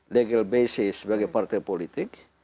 legal basis sebagai partai politik